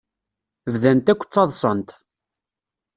Bdant akk ttaḍsant.